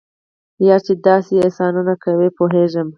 یار چې داسې احسانونه کوي پوهیږم.